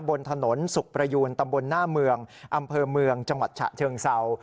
บนถนนสุขประยูนตำบลหน้าเมืองอำเภอเมืองจังหวัดฉะเชิงเศร้า